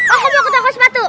aku mau ke toko sepatu